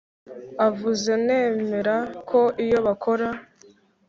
Avuze nemera ko iyo bakora